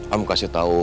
om kasih tau